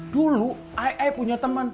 dulu ai punya teman